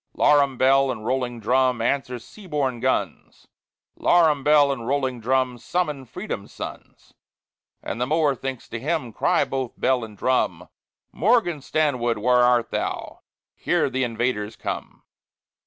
Larum bell and rolling drum Answer sea borne guns; Larum bell and rolling drum Summon Freedom's sons! And the mower thinks to him Cry both bell and drum, "Morgan Stanwood, where art thou? Here th' invaders come!"